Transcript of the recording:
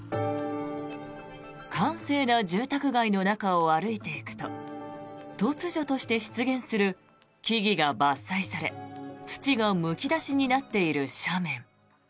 閑静な住宅街の中を歩いていくと突如として出現する木々が伐採され土がむき出しになっている斜面。